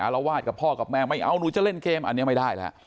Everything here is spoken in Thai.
รวาสกับพ่อกับแม่ไม่เอาหนูจะเล่นเกมอันนี้ไม่ได้แล้ว